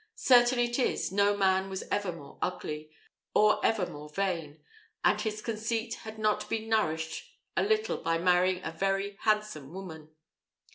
Certain it is, no man was ever more ugly, or ever more vain; and his conceit had not been nourished a little by marrying a very handsome woman.